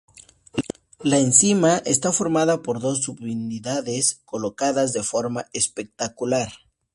La enzima está formada por dos subunidades colocadas de forma especular.